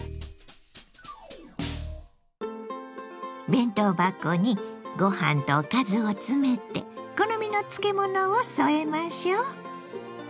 弁当箱にご飯とおかずを詰めて好みの漬物を添えましょう。